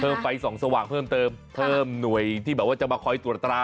ไฟส่องสว่างเพิ่มเติมเพิ่มหน่วยที่แบบว่าจะมาคอยตรวจตรา